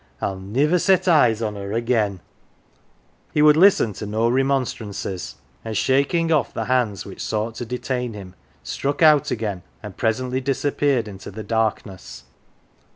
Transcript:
Ill niver set eyes on her again/'' He would listen to no remonstrances, and, shak ing oft' the hands which sought to detain him, struck out again, and presently disappeared into the dark ness.